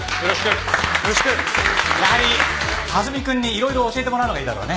やはり蓮見くんにいろいろ教えてもらうのがいいだろうね。